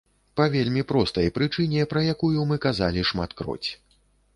Па вельмі простай прычыне, пра якую мы казалі шматкроць.